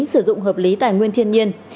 sử dụng hợp lý tài nguyên thiên nhiên